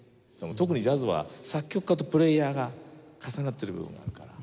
特にジャズは作曲家とプレーヤーが重なってる部分があるから。